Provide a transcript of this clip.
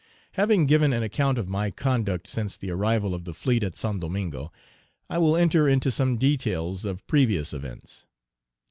Having given an account of my conduct since the arrival of the fleet at St. Domingo, I will enter into some details of previous events.